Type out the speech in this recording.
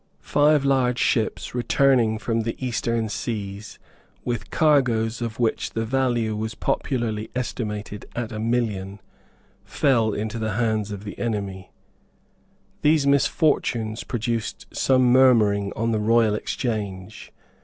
Five large ships returning from the Eastern seas, with cargoes of which the value was popularly estimated at a million, fell into the hands of the enemy. These misfortunes produced some murmuring on the Royal Exchange.